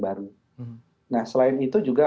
baru nah selain itu juga